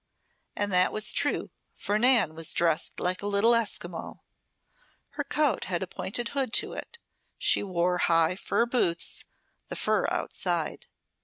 And that was true, for Nan was dressed like a little Esquimau. Her coat had a pointed hood to it; she wore high fur boots, the fur outside.